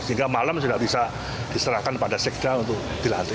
sehingga malam sudah bisa diserahkan kepada sekda untuk dilatih